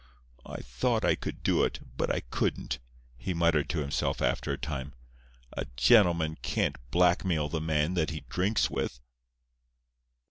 "I thought I could do it, but I couldn't," he muttered to himself after a time. "A gentleman can't blackmail the man that he drinks with."